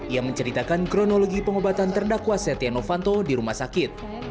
ia menceritakan kronologi pengobatan terdakwa setia novanto di rumah sakit